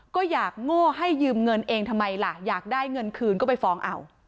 ก็อยากโง่ให้ยืมเงินเองทำไมล่ะอยากได้เงินคืนก็ไปฟ้องเอา